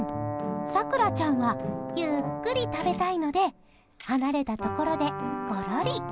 サクラちゃんはゆっくり食べたいので離れたところでごろり。